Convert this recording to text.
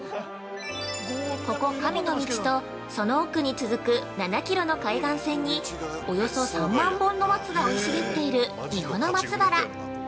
◆ここ、神の道とその奥に続く７キロの海岸線に、およそ３万本の松が生い茂っている「三保の松原」。